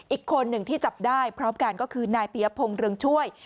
อีกคนหนึ่งที่จับได้พร้อมกันก็คือนายปียพงศ์เรืองช่วย